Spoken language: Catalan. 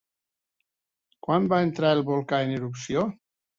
Quan va entrar el volcà en erupció?